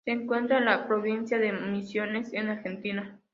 Se encuentra en la provincia de Misiones, en Argentina.